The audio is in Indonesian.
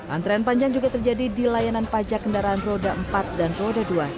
antrean panjang juga terjadi di layanan pajak kendaraan roda empat dan roda dua